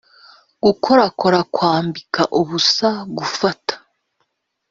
gukorakora kwambika ubusa gufata